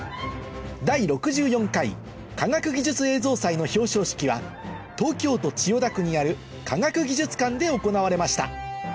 第６４回科学技術映像祭の表彰式は東京都千代田区にある科学技術館で行われました